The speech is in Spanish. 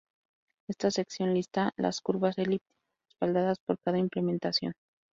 Esta sección lista las curvas elípticas respaldadas por cada implementación.